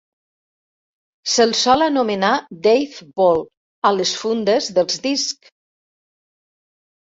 Se"l sol anomenar Dave Ball a les fundes dels discs.